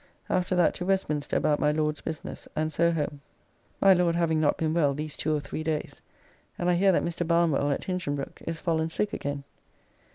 After that to Westminster about my Lord's business and so home, my Lord having not been well these two or three days, and I hear that Mr. Barnwell at Hinchinbroke is fallen sick again.